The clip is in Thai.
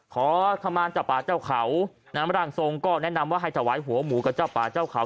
ขอขมารเจ้าป่าเจ้าเขานะฮะร่างทรงก็แนะนำว่าให้ถวายหัวหมูกับเจ้าป่าเจ้าเขา